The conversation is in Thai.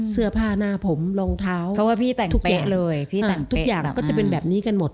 เสื้อผ้าหน้าผมรองเท้าเพราะว่าพี่แต่งทุกเกะเลยพี่แต่งทุกอย่างก็จะเป็นแบบนี้กันหมด